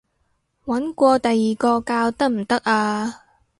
搵過第二個教得唔得啊？